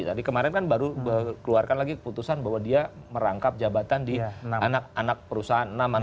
tadi kemarin kan baru keluarkan lagi keputusan bahwa dia merangkap jabatan di anak anak perusahaan